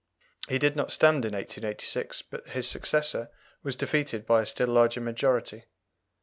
He did not stand in 1886, but his successor was defeated by a still larger majority.